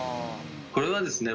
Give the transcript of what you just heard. これはですね